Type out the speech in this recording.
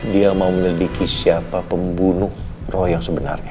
dia mau menyelidiki siapa pembunuh roh yang sebenarnya